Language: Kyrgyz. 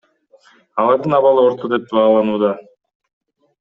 Алардын абалы орто деп бааланууда.